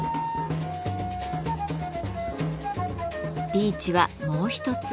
リーチはもう一つ